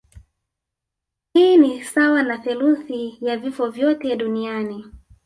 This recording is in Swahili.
Hii ni sawa na theluthi ya vifo vyote duniani